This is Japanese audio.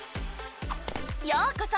ようこそ！